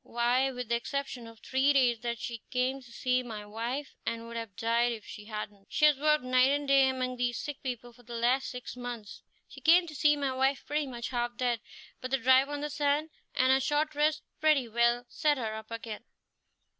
Why, with the exception of three days that she came to see my wife, and would have died if she hadn't, she has worked night and day among these sick people for the last six months. She came to see my wife pretty much half dead, but the drive on the sand and a short rest pretty well set her up again."